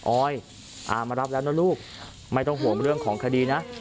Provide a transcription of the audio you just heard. ออยอามารับแล้วนะลูกไม่ต้องห่วงเรื่องของคดีนะ